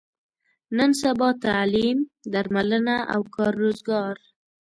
نن سبا تعلیم، درملنه او کار روزګار.